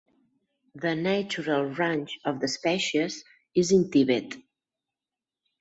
The natural range of the species is in Tibet.